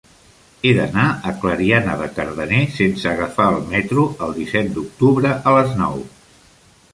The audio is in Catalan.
He d'anar a Clariana de Cardener sense agafar el metro el disset d'octubre a les nou.